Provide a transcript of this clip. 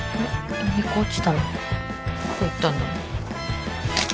今１個落ちたなどこ行ったんだ？